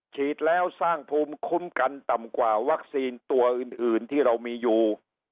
ฉีดแล้วสร้างภูมิคุ้มกันต่ำกว่าวัคซีนตัวอื่นที่เรามีอยู่